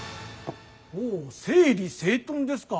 お整理整頓ですか。